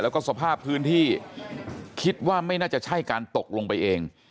แล้วก็สภาพพื้นที่คิดว่าไม่น่าจะใช่การตกลงไปเอง